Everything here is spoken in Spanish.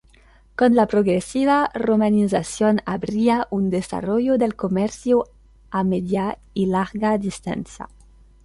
Con la progresiva romanización habría un desarrollo del comercio a media y larga distancia.